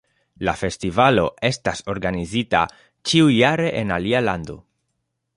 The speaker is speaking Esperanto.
La festivalo estas organizita ĉiujare en alia lando.